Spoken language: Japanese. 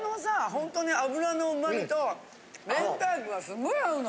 ほんとに脂の旨味と明太子がすごい合うの。